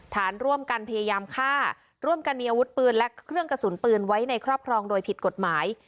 ฐานร่วมกันพยายามฆ่าร่วมกันมีอาวุธปืนและเครื่องกระสุนปืนไว้ในครอบครองโดยผิดกฎหมาย